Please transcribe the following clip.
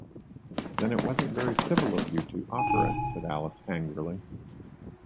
‘Then it wasn’t very civil of you to offer it,’ said Alice angrily.